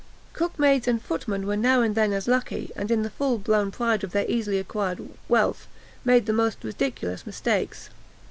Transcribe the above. Cookmaids and footmen were now and then as lucky, and, in the full blown pride of their easily acquired wealth, made the most ridiculous mistakes.